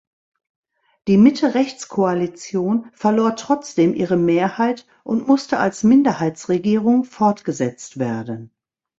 Die Mitte-rechts-Koalition verlor trotzdem ihre Mehrheit und musste als Minderheitsregierung fortgesetzt werden.